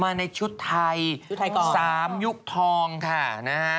มาในชุดไทย๓ยุคทองค่ะนะฮะ